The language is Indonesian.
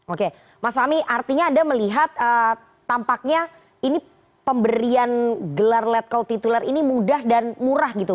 oke mas fahmi artinya anda melihat tampaknya ini pemberian gelar let call tituler ini mudah dan murah gitu